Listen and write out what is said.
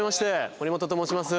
森本と申します。